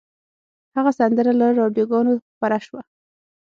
هغه سندره له راډیوګانو خپره شوه